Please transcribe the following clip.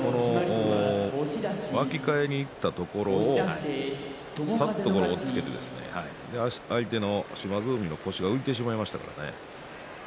巻き替えにいったところさっと押っつけて相手の島津海の腰が浮いてしまいましたね。